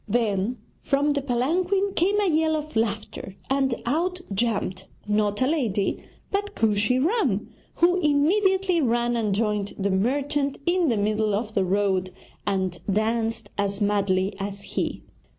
Then from the palanquin came a yell of laughter, and out jumped not a lady but Kooshy Ram, who immediately ran and joined the merchant in the middle of the road and danced as madly as he.